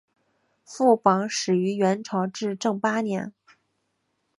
副榜始于元朝至正八年。